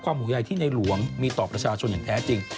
ห่วงใยที่ในหลวงมีต่อประชาชนอย่างแท้จริง